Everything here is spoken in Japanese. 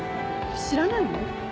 知らないの？